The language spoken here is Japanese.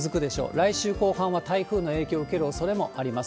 来週後半は台風の影響を受けるおそれもあります。